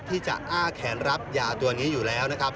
ที่จะอ้าแขนรับยาตัวนี้อยู่แล้วนะครับ